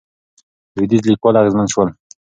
لوېدیځ لیکوال اغېزمن شول.